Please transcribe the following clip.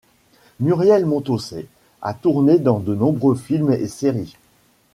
Muriel Montossey a tourné dans de nombreux films et séries.